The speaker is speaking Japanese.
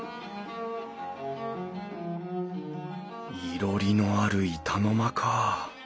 いろりのある板の間か。